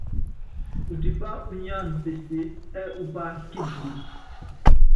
Utipá unyáan peseé ɛ́ɛ upá kilkil.